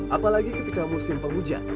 apalagi ketika musim penghujat